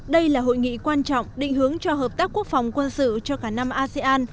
đây là hội nghị quan trọng định hướng cho hợp tác quốc phòng quân sự cho cả năm asean